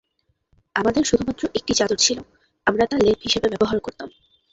আমাদের শুধুমাত্র একটি চাদর ছিল আমরা তা লেপ হিসাবে ব্যবহার করতাম।